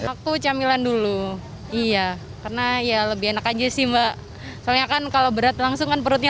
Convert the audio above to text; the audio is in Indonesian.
aku camilan dulu iya karena ya lebih enak aja sih mbak soalnya kan kalau berat langsung kan perutnya